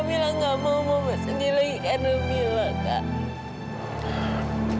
mila nggak mau mama sedih lagi karena mila kak